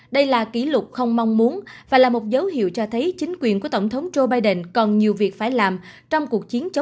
đây là kỷ lục không mong muốn và là một dấu hiệu cho thấy chính quyền của tổng thống joe biden còn nhiều việc phải làm trong cuộc chiến chống